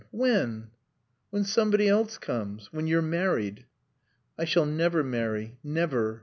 "When somebody else comes. When you're married." "I shall never marry. Never.